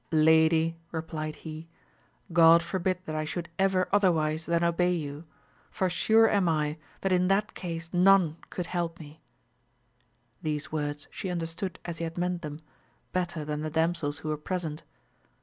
Lady, replied he, God forbid that I should ever otherwise than obey you, for sure am I that in that case none could help me. These words she understood as he had meant them, better than the damsels who were present.